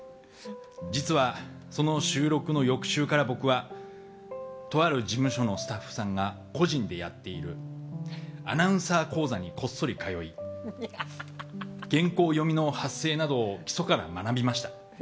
実は、その収録の翌週から僕はとある事務所のスタッフさんが個人でやっているアナウンサー講座にこっそり通い原稿読みの発声などを基礎から学びました。